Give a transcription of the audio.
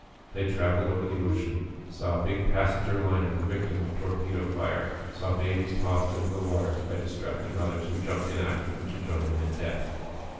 They traveled over the ocean; saw a big passenger liner the victim of torpedo fire; saw babies tossed into the water by distracted mothers who jumped in after them to join them in death.